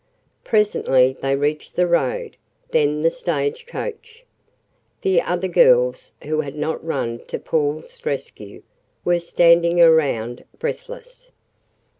Presently they reached the road, then the stage coach. The other girls, who had not run to Paul's rescue, were standing around breathless.